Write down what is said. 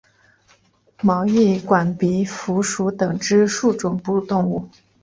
毛翼管鼻蝠属等之数种哺乳动物。